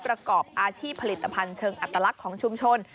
ประกอบอาชีพผลิตภัณฑ์เชิงอัตลักษณ์ของชุมชน